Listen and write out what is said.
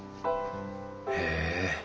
へえ。